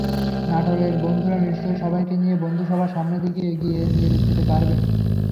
নাটোরের বন্ধুরা নিশ্চয় সবাইকে নিয়ে বন্ধুসভা সামনের দিকে এগিয়ে নিয়ে যেতে পারবেন।